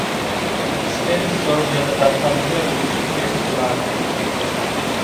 ფსკერი სწორია და დაფარულია რუხი ფერის ლამით.